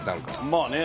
まあね。